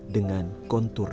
dengan kontur naik turun